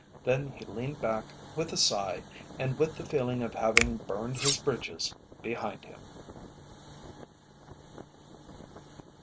Then he leaned back with a sigh and with the feeling of having "burned his bridges behind him."